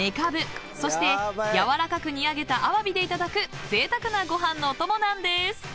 ［そして軟らかく煮上げた鮑でいただくぜいたくなご飯のおともなんです］